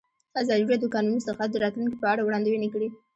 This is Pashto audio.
ازادي راډیو د د کانونو استخراج د راتلونکې په اړه وړاندوینې کړې.